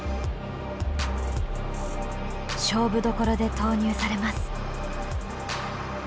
勝負どころで投入されます。